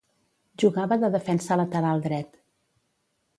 Jugava de defensa lateral dret.